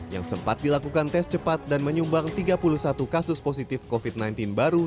yang sempat dilakukan tes cepat dan menyumbang tiga puluh satu kasus positif covid sembilan belas baru